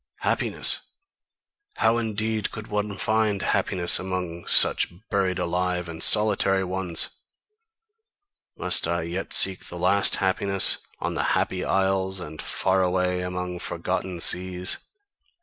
Happiness how indeed could one find happiness among such buried alive and solitary ones! Must I yet seek the last happiness on the Happy Isles, and far away among forgotten seas?